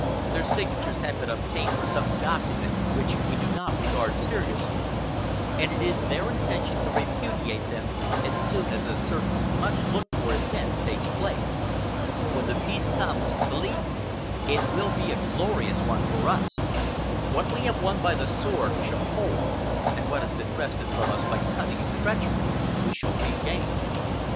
Their signatures have been obtained for some document which we do not regard seriously, and it is their intention to repudiate them as soon as a certain much looked for event takes place. When the peace comes, believe me, it will be a glorious one for us. What we have won by the sword we shall hold, and what has been wrested from us by cunning and treachery, we shall regain.